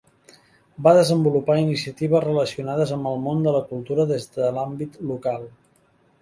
Va desenvolupar iniciatives relacionades amb el món de la cultura des de l'àmbit local.